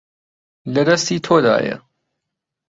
لە دەستی تۆدایە.